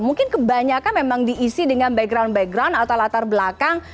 mungkin kebanyakan memang diisi dengan background background atau latar belakang